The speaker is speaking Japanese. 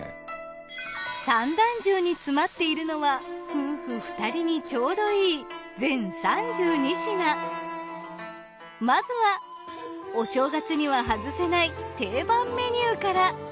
三段重に詰まっているのは夫婦２人にちょうどいいまずはお正月には外せない定番メニューから。